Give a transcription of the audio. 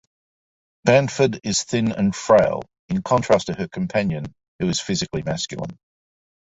Banford is thin and frail, in contrast to her companion who is physically masculine.